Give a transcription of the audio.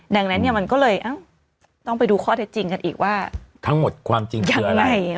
ดังนั้นเนี่ยมันก็เลยต้องไปดูข้อเท็จจริงกันอีกว่าทั้งหมดความจริงคืออะไร